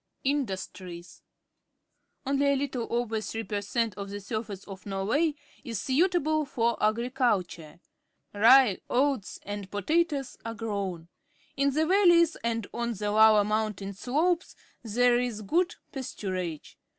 Industries. — Only a little over th ree per_ centof the surface of Norway is suitable for agriculture. Rye, oats, and potatoes are grown. In the valleys and on the lower mountain slopes there is good pasturage.